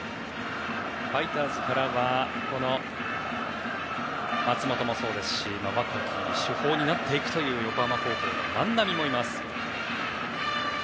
ファイターズからは松本もそうですし若き主砲になっていくという横浜高校の万波もいます。